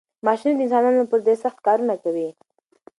ماشینونه د انسانانو پر ځای سخت کارونه کوي.